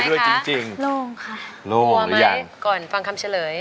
กลัวไหมก่อนฟังคำเฉลย